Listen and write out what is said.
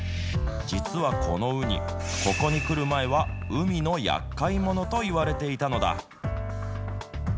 実はこのウニ、ここに来る前は海のやっかい者といわれていたのだ。